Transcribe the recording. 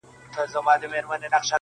واعضِه تا مطرب ته چيري غوږ نېولی نه دی.